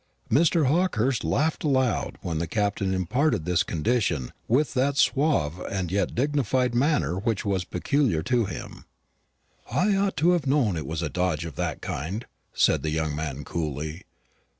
Mr Hawkehurst laughed aloud when the Captain imparted this condition with that suave and yet dignified manner which was peculiar to him. "I ought to have known it was a dodge of that kind," said the young man coolly.